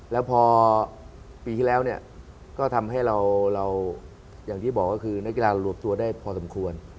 แล้วพอปีที่แล้วก็ทำให้เราอย่างที่บอกก็คือนักกีฬารวมตัวได้พอสมควร